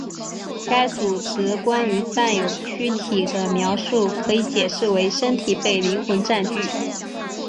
该组织关于占有躯体的描述可以解释为身体被灵魂占据。